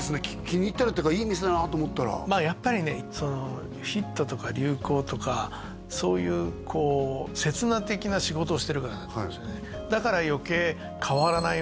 気に入ったらというかいい店だなと思ったらまあやっぱりねヒットとか流行とかそういうこう刹那的な仕事をしてるからなんですよね